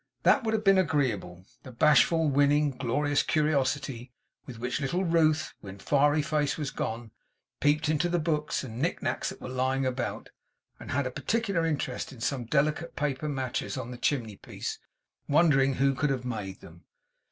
That would have been agreeable. The bashful, winning, glorious curiosity, with which little Ruth, when fiery face was gone, peeped into the books and nick nacks that were lying about, and had a particular interest in some delicate paper matches on the chimney piece; wondering who could have made them.